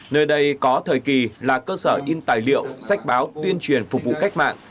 nơi đây có thời kỳ là cơ sở in tài liệu sách báo tuyên truyền phục vụ cách mạng